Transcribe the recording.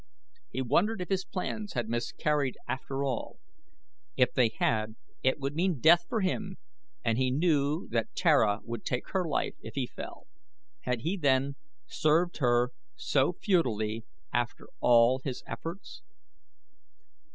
He wondered if his plans had miscarried after all. If they had it would mean death for him, and he knew that Tara would take her life if he fell. Had he, then, served her so futilely after all his efforts?